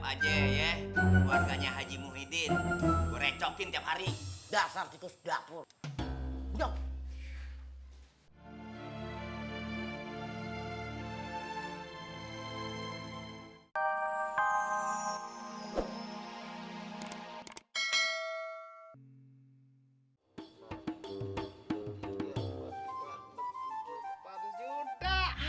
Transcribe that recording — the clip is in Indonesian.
aja ya warganya haji muhyiddin goreng cokin tiap hari dasar itu sedap pun